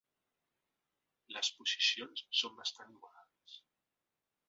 Les posicions són bastant igualades.